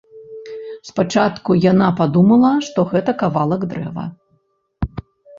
Спачатку яна падумала, што гэта кавалак дрэва.